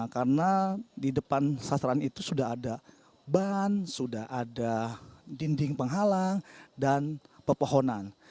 karena di depan sasaran itu sudah ada ban sudah ada dinding penghalang dan pepohonan